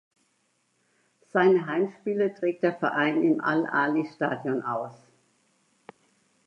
Seine Heimspiele trägt der Verein im Al-Ahli Stadion aus.